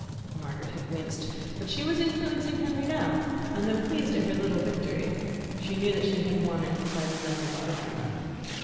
Margaret had winced, but she was influencing Henry now, and though pleased at her little victory, she knew that she had won it by the methods of the harem.